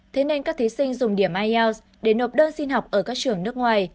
thế nên các thí sinh dùng điểm ielts để nộp đơn xin học ở các trường nước ngoài